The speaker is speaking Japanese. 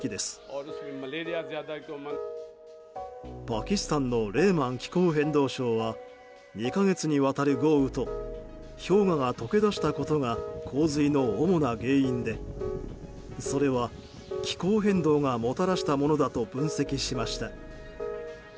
パキスタンのレーマン気候変動相は２か月にわたる豪雨と氷河が解け出したことが洪水の主な原因で、それは気候変動がもたらしたものだと分析しました。